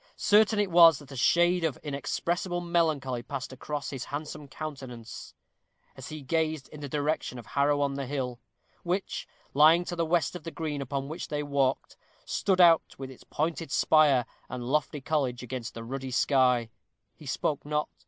Certain it was that a shade of inexpressible melancholy passed across his handsome countenance, as he gazed in the direction of Harrow on the Hill, which, lying to the west of the green upon which they walked, stood out with its pointed spire and lofty college against the ruddy sky. He spoke not.